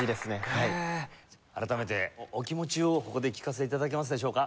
改めてお気持ちをここで聞かせて頂けますでしょうか？